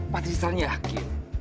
pak tristan yakin